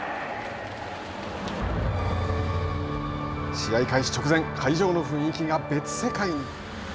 試合開始直前、会場の雰囲気が別世界に。